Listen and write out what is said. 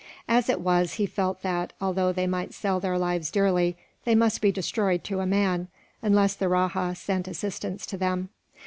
As it was he felt that, although they might sell their lives dearly, they must be destroyed to a man, unless the rajah sent assistance to them.